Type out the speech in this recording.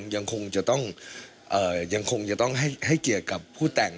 มันก็ยังคงจะต้องให้เกียรติกับผู้แต่ง